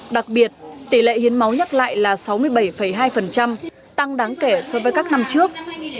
đặc biệt tỷ lệ hiến máu nhắc lại là sáu mươi bảy hai tăng đáng kể so với các năm trước